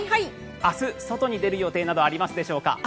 明日、外に出る予定などありますでしょうか？